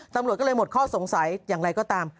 ตำรวจก็เลยหมดข้อสงสัยอย่างไรก็ตาม